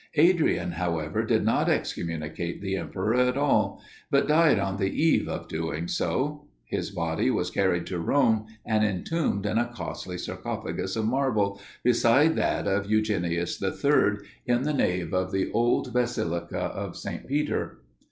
Adrian, however, did not excommunicate the emperor at all, but died on the eve of doing so. His body was carried to Rome, and entombed in a costly sarcophagus of marble, beside that of Eugenius III., in the nave of the old basilica of St. Peter.